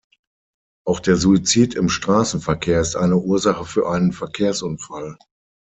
Auch der Suizid im Straßenverkehr ist eine Ursache für einen Verkehrsunfall.